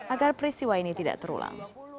agar peristiwa ini tidak terulang